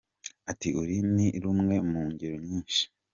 Ati "Uru ni rumwe mu ngero nyinshi.